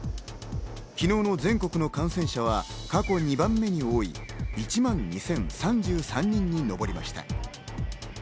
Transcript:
昨日の全国の感染者は過去２番目に多い１万２０３３人に上りました。